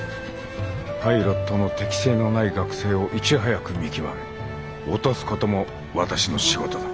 パイロットの適性のない学生をいち早く見極め落とすことも私の仕事だ。